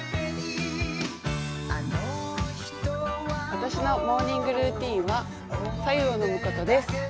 私のモーニングルーチンは白湯を飲むことです。